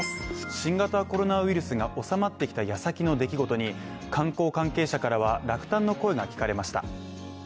新型コロナウイルスが収まってきた矢先の出来事に観光関係者からは落胆の声が聞かれました。